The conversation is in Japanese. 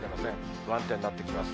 不安定になってきます。